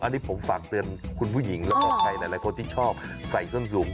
อันนี้ผมฝากเตือนคุณผู้หญิงแล้วก็ใครหลายคนที่ชอบใส่ส้นสูง